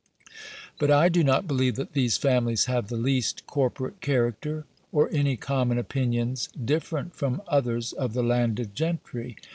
But I do not believe that these families have the least corporate character, or any common opinions, different from others of the landed gentry.